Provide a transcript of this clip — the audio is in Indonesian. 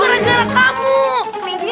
itu kenapa kelinci